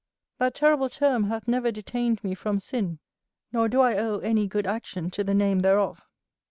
That terrible term hath never detained me from sin, nor do I owe any good action to the name thereof.